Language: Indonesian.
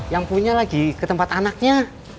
yang punya lagi ketempat anaknya